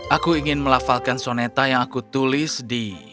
aku ingin melafalkan soneta yang aku tulis di